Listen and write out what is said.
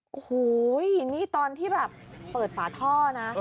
โอ้โหนี่ตอนที่แบบเปิดฝาท่อนะ